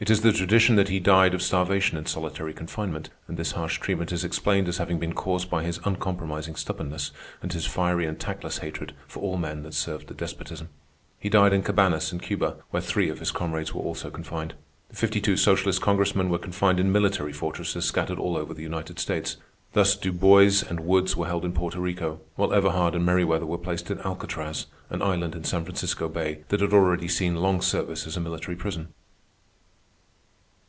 It is the tradition that he died of starvation in solitary confinement, and this harsh treatment is explained as having been caused by his uncompromising stubbornness and his fiery and tactless hatred for all men that served the despotism. He died in Cabañas in Cuba, where three of his comrades were also confined. The fifty two socialist Congressmen were confined in military fortresses scattered all over the United States. Thus, Du Bois and Woods were held in Porto Rico, while Everhard and Merryweather were placed in Alcatraz, an island in San Francisco Bay that had already seen long service as a military prison.